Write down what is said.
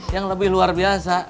yang lebih luar biasa